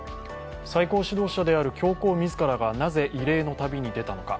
最高指導者である教皇自らがなぜ慰霊の旅に出たのか。